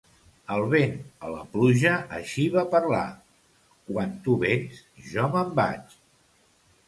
El vent a la pluja així va parlar: —Quan tu vens jo me'n vaig.